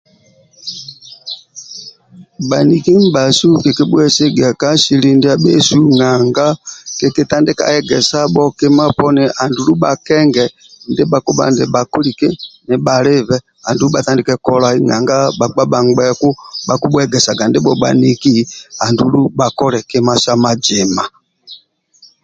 Bhaniki ndibhasu kikibhuesigia ka asili ndiasu nanga kikitandika egesabho kima poni andulu bhakenge ndibha kibha nibhalibe nanga bhakpa bhangbeku bhakibhuegesaga ndibho bhaniki andulu bhakole kima sa mazima